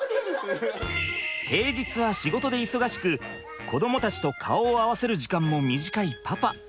平日は仕事で忙しく子どもたちと顔を合わせる時間も短いパパ。